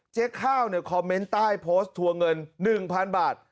ข้าวคอมเมนต์ใต้โพสต์ทัวร์เงิน๑๐๐๐บาท